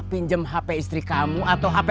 pinjam hp istri kamu atau hp